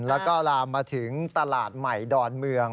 แล้วก็ลามมาถึงตลาดใหม่ดอนเมือง